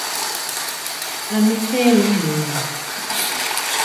¿A mejeri niñu?